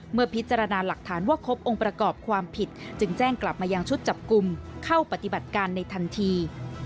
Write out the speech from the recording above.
เมื่อพิจารณาหลักฐานว่าครบองค์ประกอบความผิดจึงแจ้งกลับมายังชุดจับกลุ่มเข้าปฏิบัติการในทันที